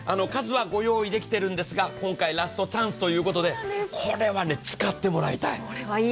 数はご用意できているんですが今回ラストチャンスということでこれはね、使ってもらいたい。